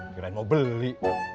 berat mau beli